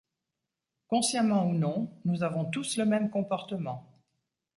Consciemment ou non, nous avons tous le même comportement.